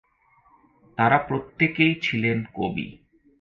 তারা প্রত্যেকেই ছিলেন কবি।